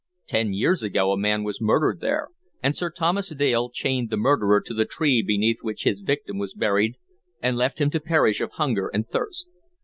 Ten years ago a man was murdered there, and Sir Thomas Dale chained the murderer to the tree beneath which his victim was buried, and left him to perish of hunger and thirst.